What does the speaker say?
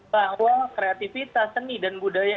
bahwa kreativitas seni dan budaya